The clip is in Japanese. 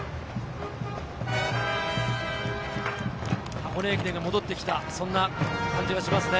箱根駅伝が戻ってきた、そんな感じがしますね。